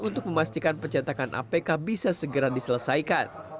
untuk memastikan pencetakan apk bisa segera diselesaikan